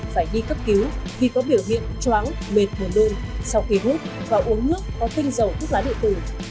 phải đi cấp cứu vì có biểu hiện chóng mệt buồn đơn sau khi hút và uống nước có tinh dầu thuốc lá điện tử